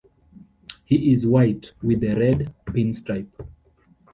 He is white with a red pinstripe.